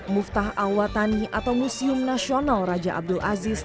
muftah awatani atau museum nasional raja abdul aziz